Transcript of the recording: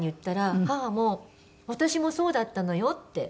母も「私もそうだったのよ」って。